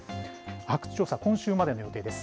発掘調査、今週までの予定です。